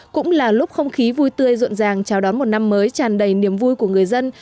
cũng là lúc không khí vui tươi rộn ràng chào đón một năm mới tràn đầy niềm vui của người dân